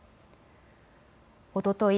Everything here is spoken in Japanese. おととい